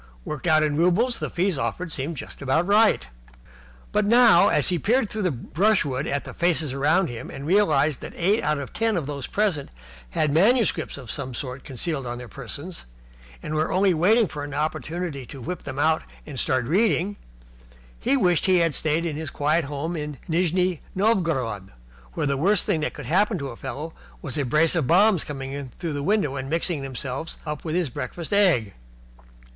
Worked out in roubles, the fees offered had seemed just about right. But now, as he peered through the brushwood at the faces round him, and realized that eight out of ten of those present had manuscripts of some sort concealed on their persons, and were only waiting for an opportunity to whip them out and start reading, he wished that he had stayed at his quiet home in Nijni Novgorod, where the worst thing that could happen to a fellow was a brace of bombs coming in through the window and mixing themselves up with his breakfast egg.